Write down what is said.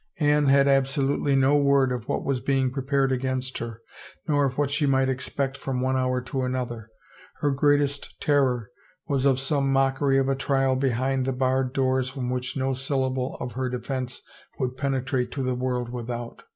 Anne had absolutely no word of what was being prepared against her, nor of what she might ex pect from one hour to another; her greatest terror was of some mockery of a trial behind the barred doors from which no syllable of her defense would penetrate to the world without.